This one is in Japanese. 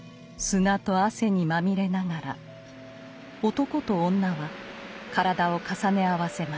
砂と汗にまみれながら男と女は体を重ね合わせます。